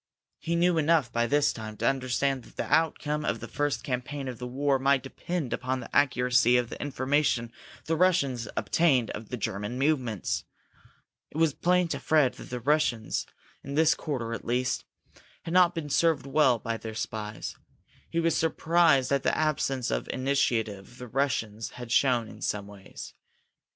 He knew enough, by this time, to understand that the outcome of the first campaign of the war might depend upon the accuracy of the information the Russians obtained of the German movements. It was plain to Fred that the Russians, in this quarter at least, had not been well served by their spies. He was surprised at the absence of initiative the Russians had shown in some ways.